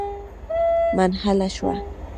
منحله شوه.